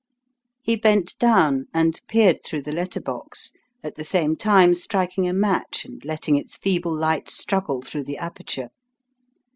He bent down and peered through the letter box, at the same time striking a match and letting its feeble light struggle through the aperture.